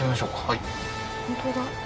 本当だ